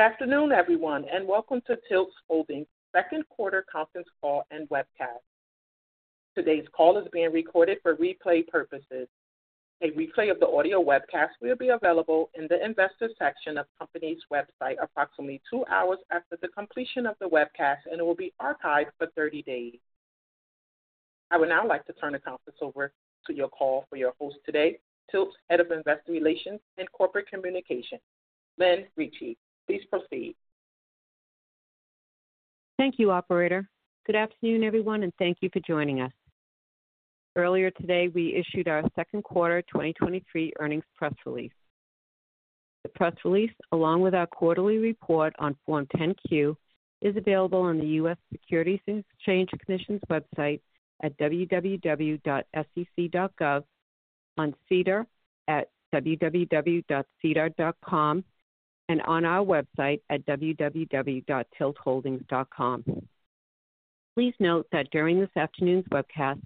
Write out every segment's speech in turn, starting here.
Afternoon, everyone, and welcome to TILT Holdings' second quarter conference call and webcast. Today's call is being recorded for replay purposes. A replay of the audio webcast will be available in the Investor section of the company's website approximately 2 hours after the completion of the webcast, and it will be archived for 30 days. I would now like to turn the conference over to your call for your host today, TILT's Head of Investor Relations and Corporate Communications, Lynn Ricci. Please proceed. Thank you, operator. Good afternoon, everyone, and thank you for joining us. Earlier today, we issued our second quarter 2023 earnings press release. The press release, along with our quarterly report on Form 10-Q, is available on the U.S. Securities and Exchange Commission's website at www.sec.gov, on SEDAR at www.sedar.com, and on our website at www.tiltholdings.com. Please note that during this afternoon's webcast,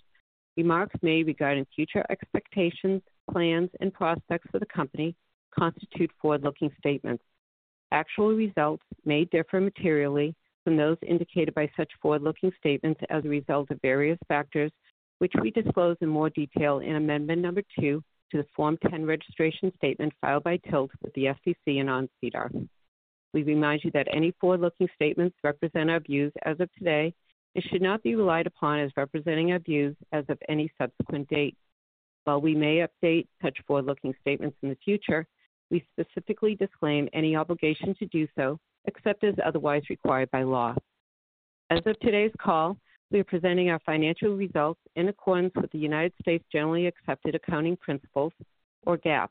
remarks made regarding future expectations, plans, and prospects for the company constitute forward-looking statements. Actual results may differ materially from those indicated by such forward-looking statements as a result of various factors, which we disclose in more detail in Amendment number 2 to the Form 10 registration statement filed by TILT with the SEC and on SEDAR. We remind you that any forward-looking statements represent our views as of today and should not be relied upon as representing our views as of any subsequent date. While we may update such forward-looking statements in the future, we specifically disclaim any obligation to do so, except as otherwise required by law. As of today's call, we are presenting our financial results in accordance with the United States generally accepted accounting principles, or GAAP.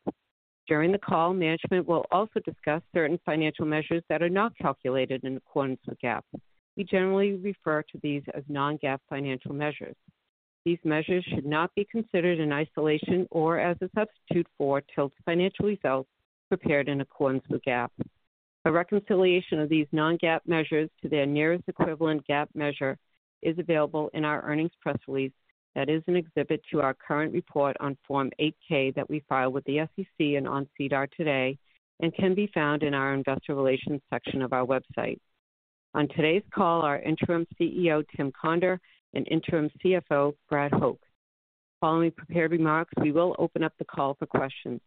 During the call, management will also discuss certain financial measures that are not calculated in accordance with GAAP. We generally refer to these as non-GAAP financial measures. These measures should not be considered in isolation or as a substitute for TILT's financial results prepared in accordance with GAAP. A reconciliation of these non-GAAP measures to their nearest equivalent GAAP measure is available in our earnings press release that is an exhibit to our current report on Form 8-K that we filed with the SEC and on SEDAR today and can be found in our Investor Relations section of our website. On today's call, our Interim CEO, Tim Conder, and Interim CFO, Brad Hoch. Following prepared remarks, we will open up the call for questions.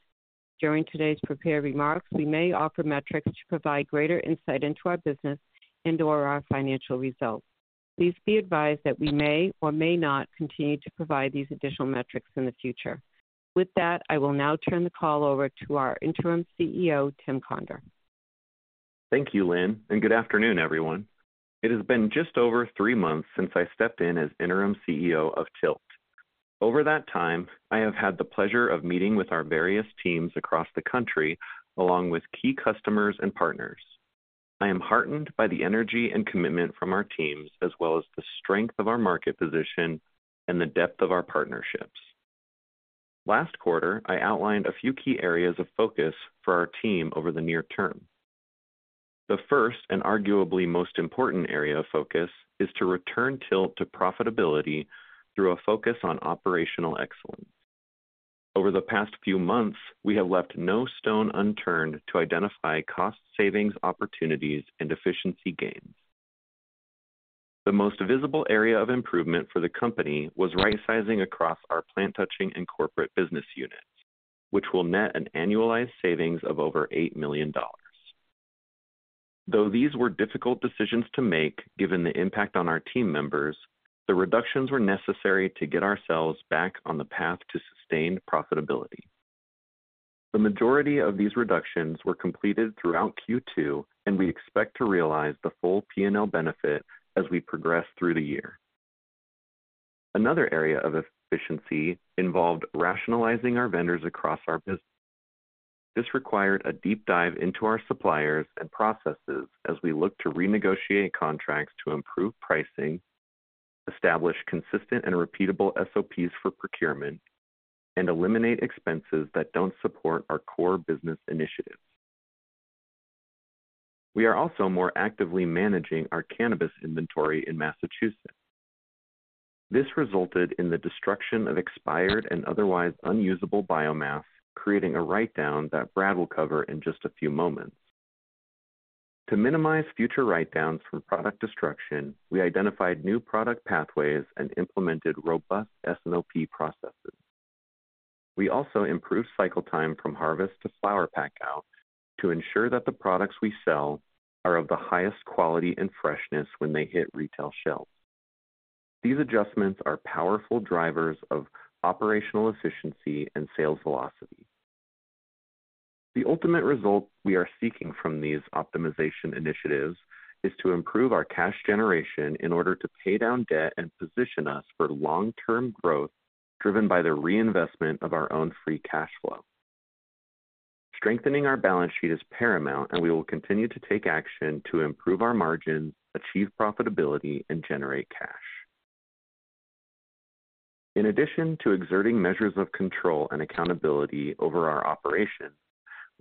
During today's prepared remarks, we may offer metrics to provide greater insight into our business and/or our financial results. Please be advised that we may or may not continue to provide these additional metrics in the future. With that, I will now turn the call over to our Interim CEO, Tim Conder. Thank you, Lynn, and good afternoon, everyone. It has been just over three months since I stepped in as Interim CEO of TILT. Over that time, I have had the pleasure of meeting with our various teams across the country, along with key customers and partners. I am heartened by the energy and commitment from our teams, as well as the strength of our market position and the depth of our partnerships. Last quarter, I outlined a few key areas of focus for our team over the near-term. The first and arguably most important area of focus is to return TILT to profitability through a focus on operational excellence. Over the past few months, we have left no stone unturned to identify cost savings, opportunities, and efficiency gains. The most visible area of improvement for the company was rightsizing across our plant-touching and corporate business units, which will net an annualized savings of over $8 million. Though these were difficult decisions to make, given the impact on our team members, the reductions were necessary to get ourselves back on the path to sustained profitability. We expect to realize the full P&L benefit as we progress through the year. Another area of efficiency involved rationalizing our vendors across our business. This required a deep dive into our suppliers and processes as we looked to renegotiate contracts to improve pricing, establish consistent and repeatable SOPs for procurement, and eliminate expenses that don't support our core business initiatives. We are also more actively managing our cannabis inventory in Massachusetts. This resulted in the destruction of expired and otherwise unusable biomass, creating a write-down that Brad will cover in just a few moments. To minimize future write-downs from product destruction, we identified new product pathways and implemented robust S&OP processes. We also improved cycle time from harvest to flower pack out to ensure that the products we sell are of the highest quality and freshness when they hit retail shelves. These adjustments are powerful drivers of operational efficiency and sales velocity. The ultimate result we are seeking from these optimization initiatives is to improve our cash generation in order to pay down debt and position us for long-term growth, driven by the reinvestment of our own free cash flow. Strengthening our balance sheet is paramount, and we will continue to take action to improve our margins, achieve profitability, and generate cash. In addition to exerting measures of control and accountability over our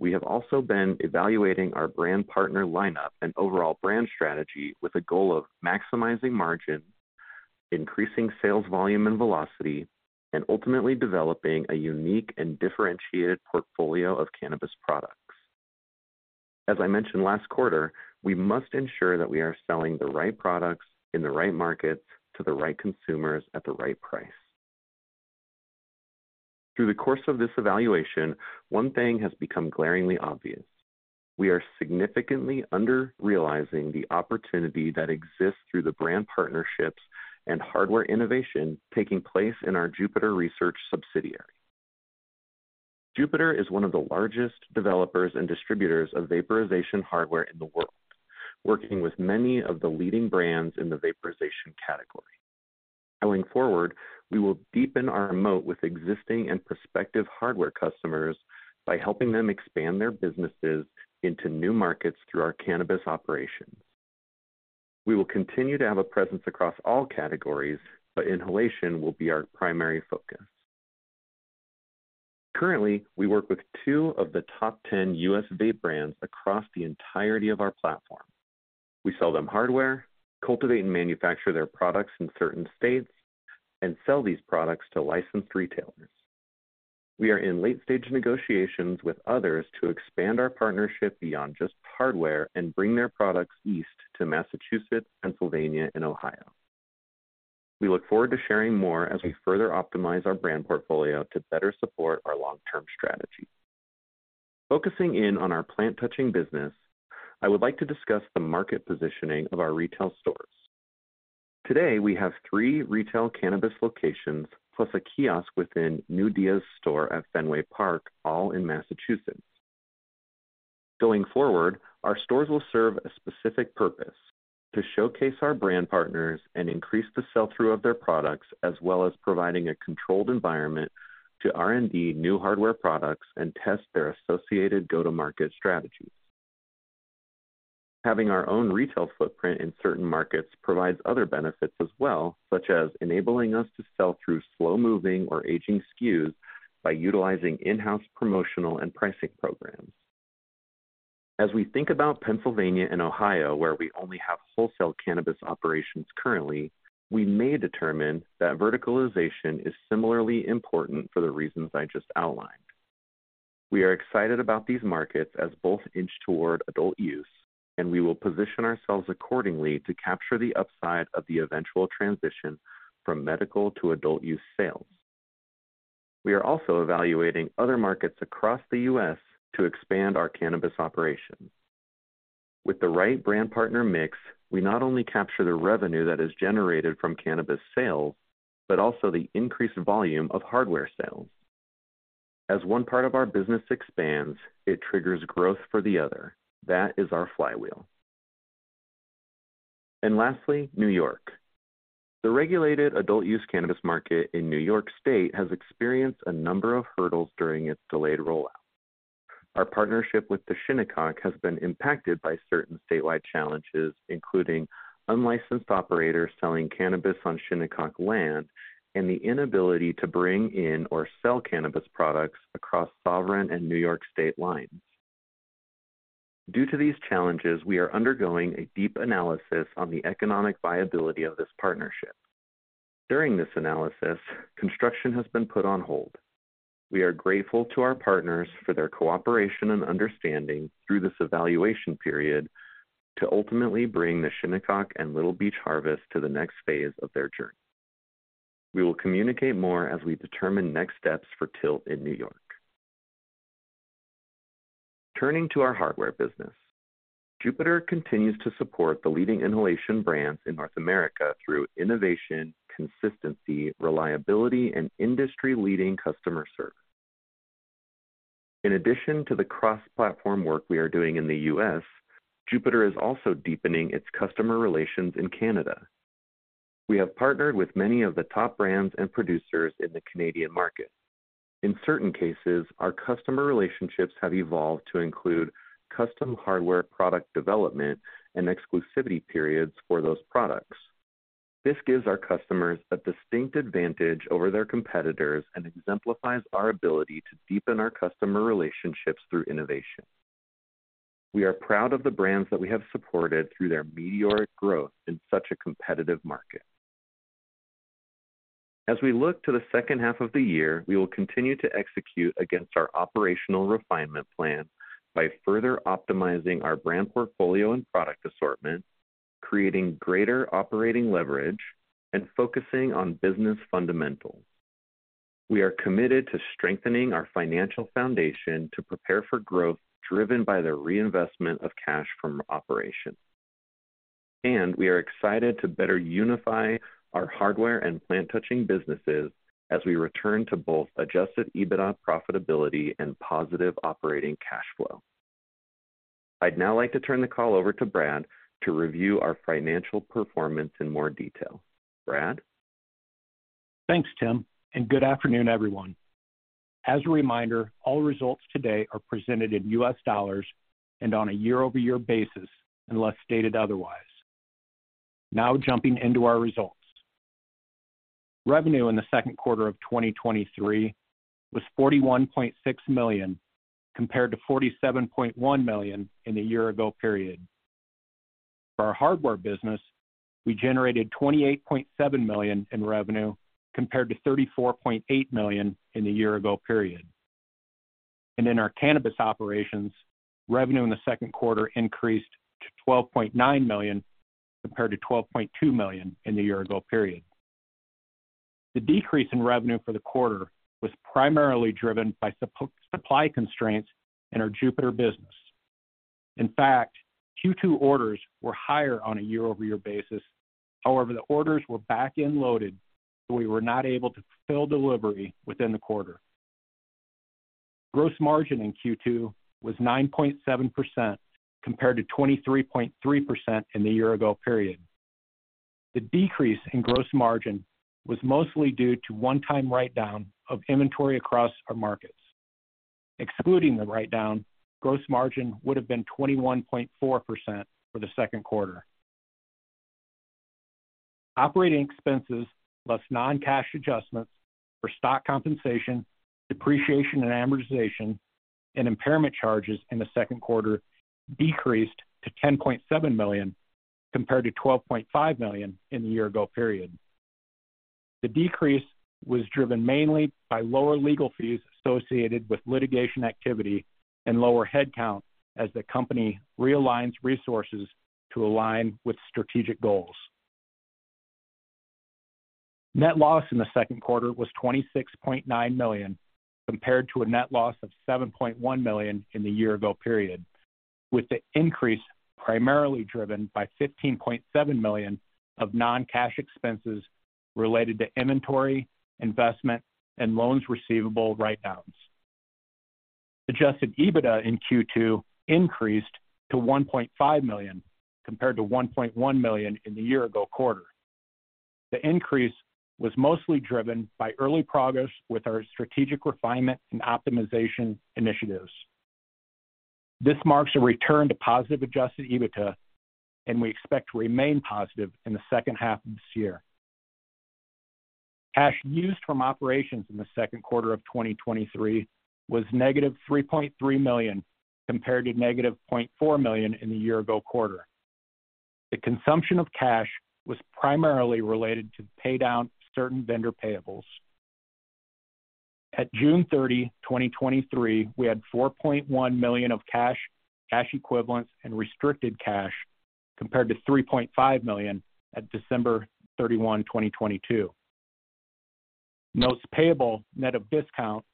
operations, we have also been evaluating our brand partner lineup and overall brand strategy with the goal of maximizing margins, increasing sales volume and velocity, and ultimately developing a unique and differentiated portfolio of cannabis products. As I mentioned last quarter, we must ensure that we are selling the right products, in the right markets, to the right consumers, at the right price. Through the course of this evaluation, one thing has become glaringly obvious: we are significantly under-realizing the opportunity that exists through the brand partnerships and hardware innovation taking place in our Jupiter Research subsidiary. Jupiter is one of the largest developers and distributors of vaporization hardware in the world, working with many of the leading brands in the vaporization category. Going forward, we will deepen our moat with existing and prospective hardware customers by helping them expand their businesses into new markets through our cannabis operations. We will continue to have a presence across all categories, but inhalation will be our primary focus. Currently, we work with two of the top 10 U.S. vape brands across the entirety of our platform. We sell them hardware, cultivate and manufacture their products in certain states, and sell these products to licensed retailers. We are in late-stage negotiations with others to expand our partnership beyond just hardware and bring their products east to Massachusetts, Pennsylvania, and Ohio. We look forward to sharing more as we further optimize our brand portfolio to better support our long-term strategy. Focusing in on our plant-touching business, I would like to discuss the market positioning of our retail stores. Today, we have 3 retail cannabis locations, plus a kiosk within New Dia's store at Fenway Park, all in Massachusetts. Going forward, our stores will serve a specific purpose: to showcase our brand partners and increase the sell-through of their products, as well as providing a controlled environment to R&D new hardware products and test their associated go-to-market strategies. Having our own retail footprint in certain markets provides other benefits as well, such as enabling us to sell through slow-moving or aging SKUs by utilizing in-house promotional and pricing programs. As we think about Pennsylvania and Ohio, where we only have wholesale cannabis operations currently, we may determine that verticalization is similarly important for the reasons I just outlined. We are excited about these markets as both inch toward adult use, and we will position ourselves accordingly to capture the upside of the eventual transition from medical to adult use sales. We are also evaluating other markets across the U.S. to expand our cannabis operations. With the right brand partner mix, we not only capture the revenue that is generated from cannabis sales, but also the increased volume of hardware sales. As one part of our business expands, it triggers growth for the other. That is our flywheel. Lastly, New York. The regulated adult use cannabis market in New York State has experienced a number of hurdles during its delayed rollout. Our partnership with the Shinnecock has been impacted by certain statewide challenges, including unlicensed operators selling cannabis on Shinnecock land and the inability to bring in or sell cannabis products across sovereign and New York State lines. Due to these challenges, we are undergoing a deep analysis on the economic viability of this partnership. During this analysis, construction has been put on hold. We are grateful to our partners for their cooperation and understanding through this evaluation period to ultimately bring the Shinnecock and Little Beach Harvest to the next phase of their journey. We will communicate more as we determine next steps for TILT in New York. Turning to our Hardware business, Jupiter continues to support the leading inhalation brands in North America through innovation, consistency, reliability, and industry-leading customer service. In addition to the cross-platform work we are doing in the U.S., Jupiter is also deepening its customer relations in Canada. We have partnered with many of the top brands and producers in the Canadian market. In certain cases, our customer relationships have evolved to include custom hardware product development and exclusivity periods for those products. This gives our customers a distinct advantage over their competitors and exemplifies our ability to deepen our customer relationships through innovation. We are proud of the brands that we have supported through their meteoric growth in such a competitive market. As we look to the second half of the year, we will continue to execute against our operational refinement plan by further optimizing our brand portfolio and product assortment, creating greater operating leverage, and focusing on business fundamentals. We are committed to strengthening our financial foundation to prepare for growth driven by the reinvestment of cash from operations. We are excited to better unify our hardware and plant-touching businesses as we return to both adjusted EBITDA profitability and positive operating cash flow. I'd now like to turn the call over to Brad to review our financial performance in more detail. Brad? Thanks, Tim, and good afternoon, everyone. As a reminder, all results today are presented in U.S. dollars and on a year-over-year basis, unless stated otherwise. Jumping into our results. Revenue in the second quarter of 2023 was $41.6 million, compared to $47.1 million in the year ago period. For our Hardware business, we generated $28.7 million in revenue, compared to $34.8 million in the year ago period. In our Cannabis operations, revenue in the second quarter increased to $12.9 million, compared to $12.2 million in the year ago period. The decrease in revenue for the quarter was primarily driven by supply constraints in our Jupiter business. In fact, Q2 orders were higher on a year-over-year basis. The orders were back-end loaded, so we were not able to fulfill delivery within the quarter. Gross margin in Q2 was 9.7%, compared to 23.3% in the year ago period. The decrease in gross margin was mostly due to one-time write-down of inventory across our markets. Excluding the write-down, gross margin would have been 21.4% for the second quarter. Operating expenses, plus non-cash adjustments for stock compensation, depreciation and amortization, and impairment charges in the second quarter decreased to $10.7 million, compared to $12.5 million in the year ago period. The decrease was driven mainly by lower legal fees associated with litigation activity and lower headcount as the company realigns resources to align with strategic goals. Net loss in the second quarter was $26.9 million, compared to a net loss of $7.1 million in the year ago period, with the increase primarily driven by $15.7 million of non-cash expenses related to inventory, investment, and loans receivable write-downs. Adjusted EBITDA in Q2 increased to $1.5 million, compared to $1.1 million in the year ago quarter. The increase was mostly driven by early progress with our strategic refinement and optimization initiatives. This marks a return to positive Adjusted EBITDA, and we expect to remain positive in the second half of this year. Cash used from operations in the second quarter of 2023 was -$3.3 million, compared to -$0.4 million in the year ago quarter. The consumption of cash was primarily related to pay down certain vendor payables. At June 30, 2023, we had $4.1 million of cash, cash equivalents, and restricted cash, compared to $3.5 million at December 31, 2022. Notes payable, net of discount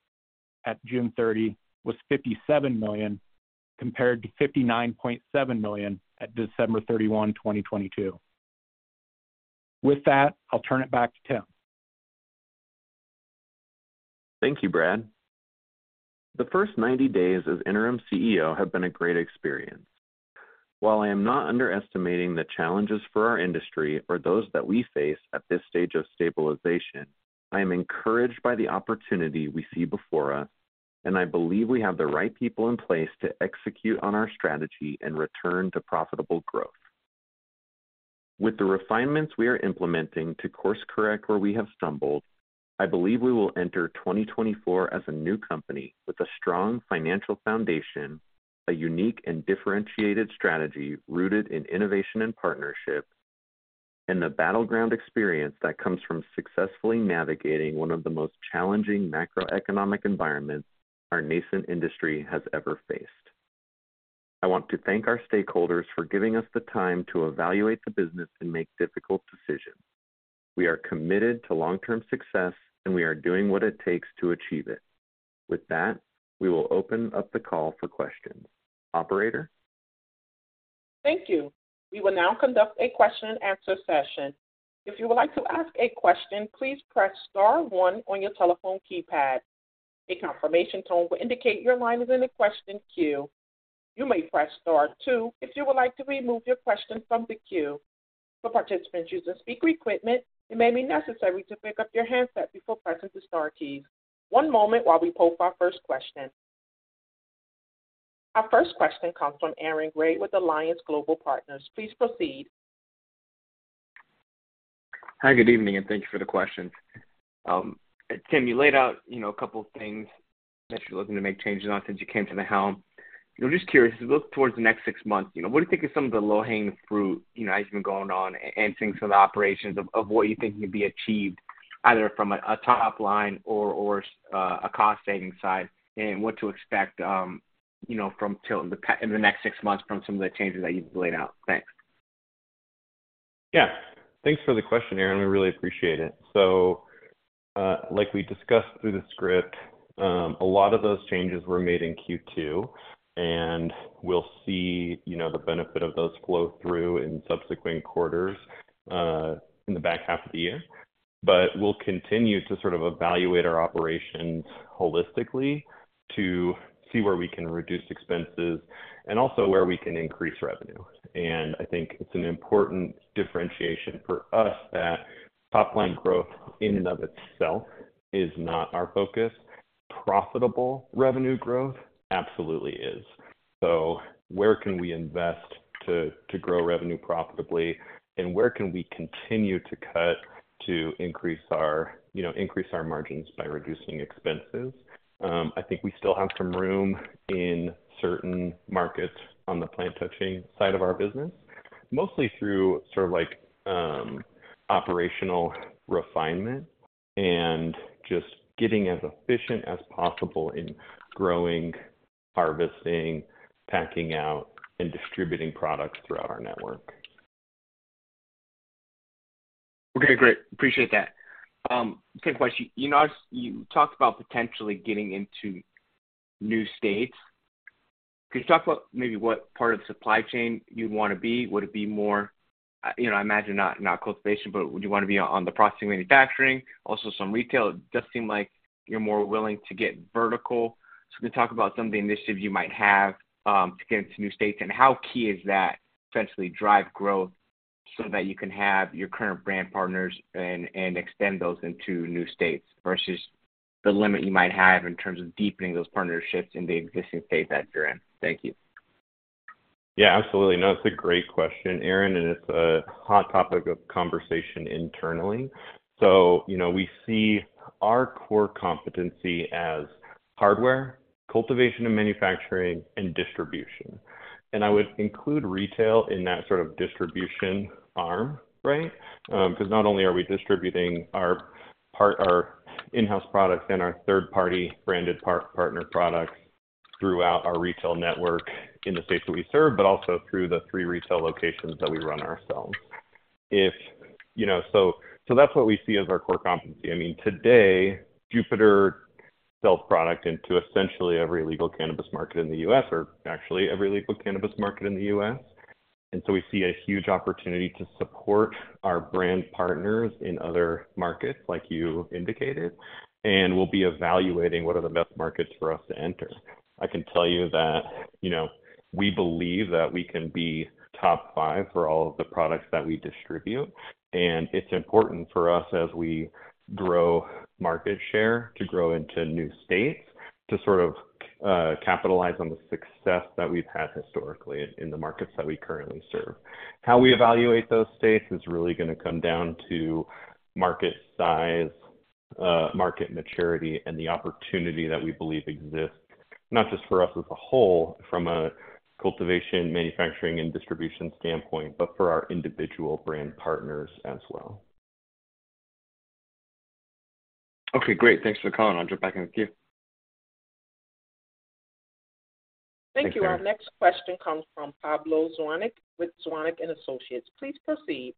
at June 30, was $57 million, compared to $59.7 million at December 31, 2022. With that, I'll turn it back to Tim. Thank you, Brad. The first 90 days as Interim CEO have been a great experience. While I am not underestimating the challenges for our industry or those that we face at this stage of stabilization, I am encouraged by the opportunity we see before us, and I believe we have the right people in place to execute on our strategy and return to profitable growth. With the refinements we are implementing to course correct where we have stumbled, I believe we will enter 2024 as a new company with a strong financial foundation, a unique and differentiated strategy rooted in innovation and partnership, and the battleground experience that comes from successfully navigating one of the most challenging macroeconomic environments our nascent industry has ever faced. I want to thank our stakeholders for giving us the time to evaluate the business and make difficult decisions. We are committed to long-term success, and we are doing what it takes to achieve it. With that, we will open up the call for questions. Operator? Thank you. We will now conduct a question-and-answer session. If you would like to ask a question, please press Star one on your telephone keypad. A confirmation tone will indicate your line is in the question queue. You may press Star two if you would like to remove your question from the queue. For participants using speaker equipment, it may be necessary to pick up your handset before pressing the star keys. One moment while we pull up our first question. Our first question comes from Aaron Grey with Alliance Global Partners. Please proceed. Hi, good evening, and thank you for the question. Tim, you laid out, you know, a couple of things that you're looking to make changes on since you came to the helm. I'm just curious, as we look towards the next six months, you know, what do you think are some of the low-hanging fruit, you know, as you've been going on and things for the operations of, of what you think can be achieved, either from a, a top line or, or, a cost-saving side, and what to expect, you know, in the next six months from some of the changes that you've laid out? Thanks. Yeah, thanks for the question, Aaron. We really appreciate it. Like we discussed through the script, a lot of those changes were made in Q2, and we'll see, you know, the benefit of those flow through in subsequent quarters, in the back half of the year. We'll continue to sort of evaluate our operations holistically to see where we can reduce expenses and also where we can increase revenue. I think it's an important differentiation for us that top line growth in and of itself is not our focus. Profitable revenue growth? Absolutely is. Where can we invest to, to grow revenue profitably, and where can we continue to cut to increase our, you know, increase our margins by reducing expenses? I think we still have some room in certain markets on the plant touching side of our business. Mostly through sort of like, operational refinement and just getting as efficient as possible in growing, harvesting, packing out, and distributing products throughout our network. Okay, great. Appreciate that. Second question, you know, you talked about potentially getting into new states. Could you talk about maybe what part of the supply chain you'd want to be? Would it be more, you know, I imagine not, not cultivation, but would you want to be on the processing, manufacturing, also some retail? It does seem like you're more willing to get vertical. Can you talk about some of the initiatives you might have, to get into new states, and how key is that to essentially drive growth so that you can have your current brand partners and, and extend those into new states versus the limit you might have in terms of deepening those partnerships in the existing states that you're in? Thank you. Yeah, absolutely. No, it's a great question, Aaron, and it's a hot topic of conversation internally. You know, we see our core competency as hardware, cultivation, and manufacturing, and distribution. I would include retail in that sort of distribution arm, right? Because not only are we distributing our in-house products and our third-party branded partner products throughout our retail network in the states that we serve, but also through the three retail locations that we run ourselves. You know, that's what we see as our core competency. I mean, today, Jupiter sells product into essentially every legal cannabis market in the U.S., or actually every legal cannabis market in the U.S. So we see a huge opportunity to support our brand partners in other markets, like you indicated, and we'll be evaluating what are the best markets for us to enter. I can tell you that, you know, we believe that we can be top five for all of the products that we distribute, and it's important for us as we grow market share, to grow into new states, to sort of capitalize on the success that we've had historically in the markets that we currently serve. How we evaluate those states is really gonna come down to market size, market maturity, and the opportunity that we believe exists, not just for us as a whole from a cultivation, manufacturing, and distribution standpoint, but for our individual brand partners as well. Okay, great. Thanks for the color. I'll jump back in the queue. Thank you. Our next question comes from Pablo Zuanic with Zuanic & Associates. Please proceed.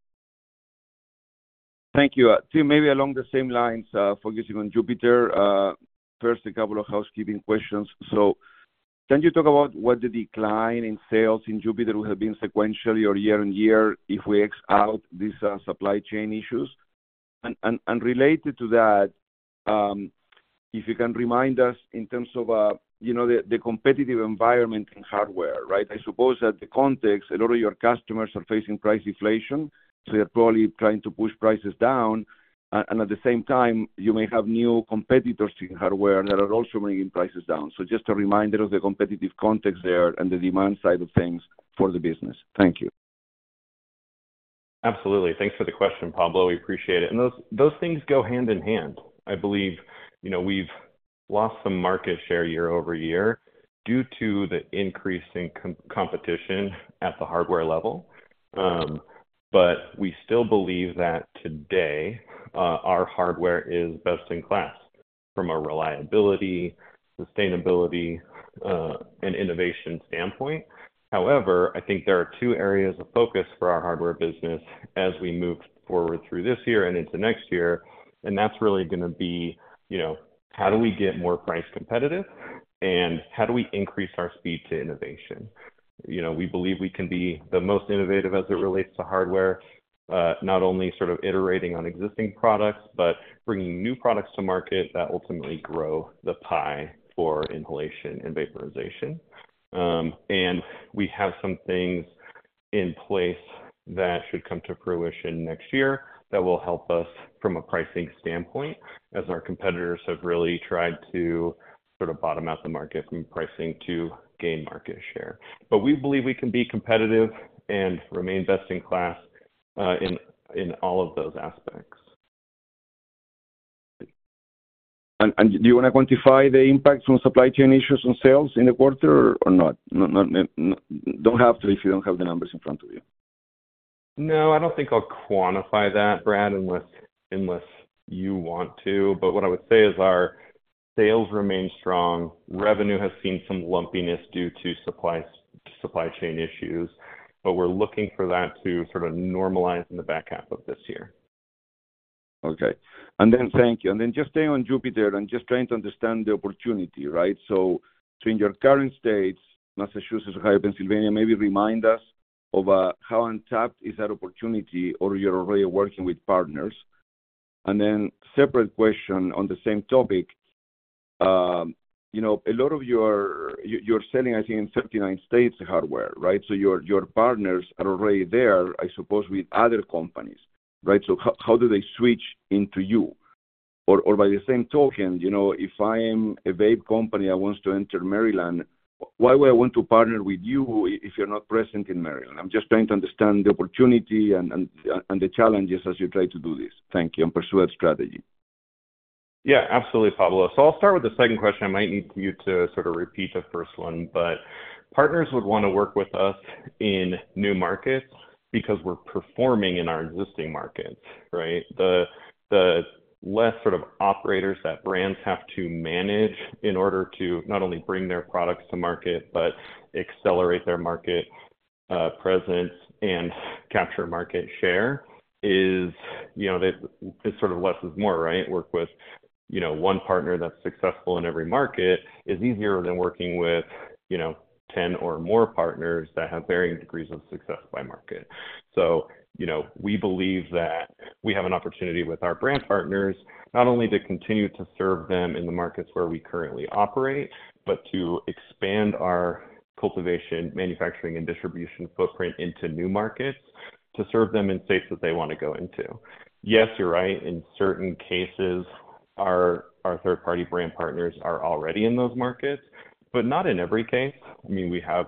Thank you. Tim, maybe along the same lines, focusing on Jupiter. First, a couple of housekeeping questions. Can you talk about what the decline in sales in Jupiter would have been sequentially or year-over-year if we X out these supply chain issues? Related to that, if you can remind us in terms of, you know, the competitive environment in hardware, right? I suppose that the context, a lot of your customers are facing price inflation, so they're probably trying to push prices down, and at the same time, you may have new competitors in hardware that are also bringing prices down. Just a reminder of the competitive context there and the demand side of things for the business. Thank you. Absolutely. Thanks for the question, Pablo. We appreciate it. Those, those things go hand in hand. I believe, you know, we've lost some market share year-over-year due to the increase in competition at the hardware level. But we still believe that today, our Hardware is best in class from a reliability, sustainability, and innovation standpoint. However, I think there are two areas of focus for our Hardware business as we move forward through this year and into next year, and that's really gonna be, you know, how do we get more price competitive? How do we increase our speed to innovation? You know, we believe we can be the most innovative as it relates to hardware, not only sort of iterating on existing products, but bringing new products to market that ultimately grow the pie for inhalation and vaporization. We have some things in place that should come to fruition next year that will help us from a pricing standpoint, as our competitors have really tried to sort of bottom out the market from pricing to gain market share. We believe we can be competitive and remain best in class, in, in all of those aspects. And do you want to quantify the impact from supply chain issues on sales in the quarter or not? No, don't have to if you don't have the numbers in front of you. No, I don't think I'll quantify that, Brad, unless, unless you want to. What I would say is our sales remain strong. Revenue has seen some lumpiness due to supply chain issues, but we're looking for that to sort of normalize in the back half of this year. Okay. Thank you. Just staying on Jupiter and just trying to understand the opportunity, right? Between your current states, Massachusetts, Ohio, Pennsylvania, maybe remind us of how untapped is that opportunity or you're already working with partners? Separate question on the same topic. You know, a lot of your - you're selling, I think, in 39 states, the hardware, right? Your, your partners are already there, I suppose, with other companies. How, how do they switch into you? By the same token, you know, if I'm a vape company that wants to enter Maryland, why would I want to partner with you if you're not present in Maryland? I'm just trying to understand the opportunity and, and, and the challenges as you try to do this. Thank you. Pursue that strategy. Yeah, absolutely, Pablo. I'll start with the second question. I might need you to sort of repeat the first 1, partners would want to work with us in new markets because we're performing in our existing markets, right? The, the less sort of operators that brands have to manage in order to not only bring their products to market, but accelerate their market presence and capture market share is, you know, it, it sort of less is more, right? Work with, you know, 1 partner that's successful in every market is easier than working with, you know, 10 or more partners that have varying degrees of success by market. You know, we believe that we have an opportunity with our brand partners, not only to continue to serve them in the markets where we currently operate, but to expand our cultivation, manufacturing, and distribution footprint into new markets to serve them in states that they want to go into. Yes, you're right. In certain cases, our, our third-party brand partners are already in those markets, but not in every case. I mean, we have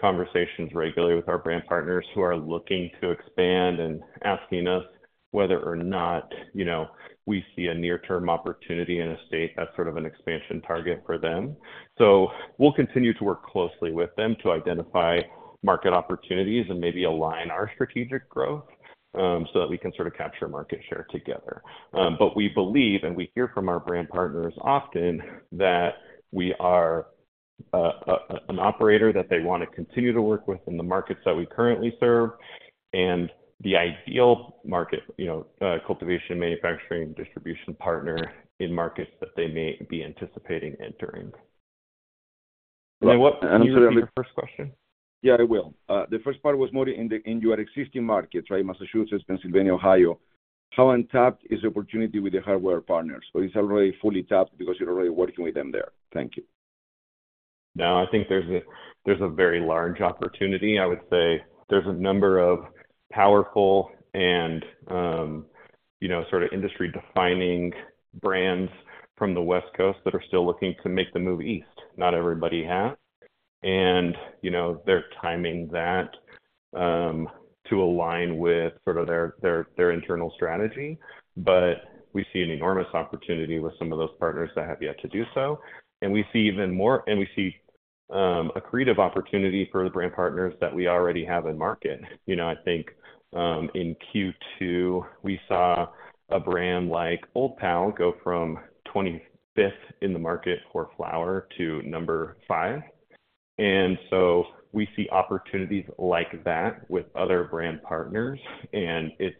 conversations regularly with our brand partners who are looking to expand and asking us whether or not, you know, we see a near-term opportunity in a state that's sort of an expansion target for them. We'll continue to work closely with them to identify market opportunities and maybe align our strategic growth so that we can sort of capture market share together. We believe, and we hear from our brand partners often, that we are an operator that they want to continue to work with in the markets that we currently serve, and the ideal market, cultivation, manufacturing, distribution partner in markets that they may be anticipating entering. I'm sorry. Can you repeat the first question? Yeah, I will. The first part was more in the, in your existing markets, right, Massachusetts, Pennsylvania, Ohio? How untapped is the opportunity with the hardware partners, or it's already fully tapped because you're already working with them there? Thank you. No, I think there's a, there's a very large opportunity. I would say there's a number of powerful and, you know, sort of industry-defining brands from the West Coast that are still looking to make the move east. Not everybody has, and, you know, they're timing that, to align with sort of their, their, their internal strategy. We see an enormous opportunity with some of those partners that have yet to do so, and we see even more, and we see, accretive opportunity for the brand partners that we already have in market. You know, I think, in Q2, we saw a brand like Old Pal go from 25th in the market for flower to number five. So we see opportunities like that with other brand partners, and it's,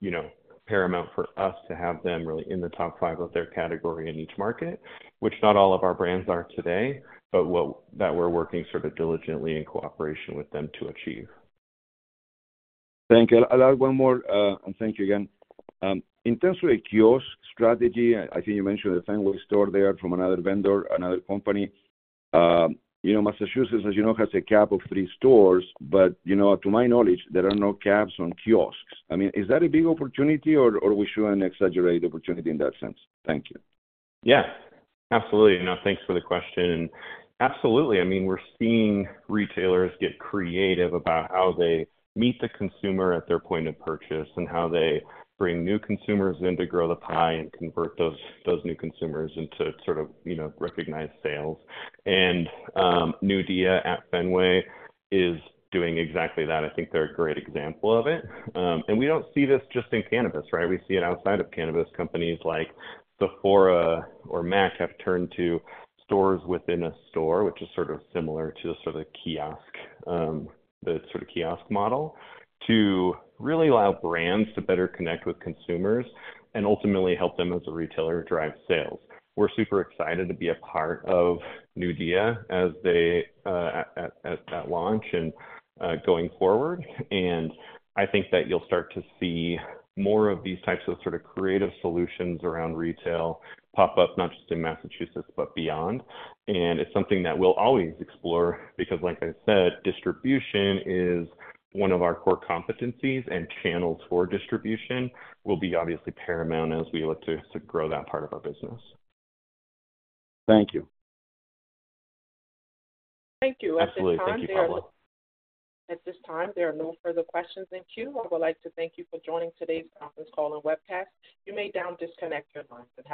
you know, paramount for us to have them really in the top five of their category in each market, which not all of our brands are today, but we're working sort of diligently in cooperation with them to achieve. Thank you. I'll add one more, and thank you again. In terms of a kiosk strategy, I think you mentioned the Fenway store there from another vendor, another company. You know, Massachusetts, as you know, has a cap of three stores, but, you know, to my knowledge, there are no caps on kiosks. I mean, is that a big opportunity, or, or we shouldn't exaggerate the opportunity in that sense? Thank you. Yeah, absolutely. No, thanks for the question. Absolutely. I mean, we're seeing retailers get creative about how they meet the consumer at their point of purchase, and how they bring new consumers in to grow the pie and convert those, those new consumers into sort of, you know, recognized sales. New Dia at Fenway is doing exactly that. I think they're a great example of it. We don't see this just in cannabis, right? We see it outside of cannabis. Companies like Sephora or M·A·C have turned to stores within a store, which is sort of similar to the sort of kiosk, the sort of kiosk model, to really allow brands to better connect with consumers and ultimately help them as a retailer, drive sales. We're super excited to be a part of New Dia as they at launch and going forward. I think that you'll start to see more of these types of sort of creative solutions around retail pop up, not just in Massachusetts, but beyond. It's something that we'll always explore because, like I said, distribution is one of our core competencies, and channels for distribution will be obviously paramount as we look to, to grow that part of our business. Thank you. Thank you. Absolutely. Thank you, Pablo. At this time, there are no further questions in queue. I would like to thank you for joining today's conference call and webcast. You may now disconnect your lines and have a great day.